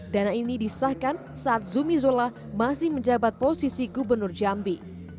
dana ini disahkan saat zumi zola masih menjabat posisi gubernur jambi